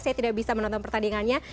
saya tidak bisa menonton pertandingannya